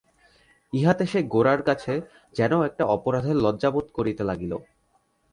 ইহাতে সে গোরার কাছে যেন একটা অপরাধের লজ্জা বোধ করিতে লাগিল।